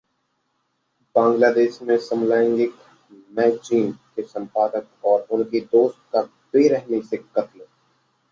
बांग्लादेश में समलैंगिक मैगजीन के संपादक और उनके दोस्त का बेहरमी से कत्ल